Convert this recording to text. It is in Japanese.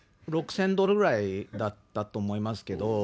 ６０００ドルぐらいだったと思いますけど。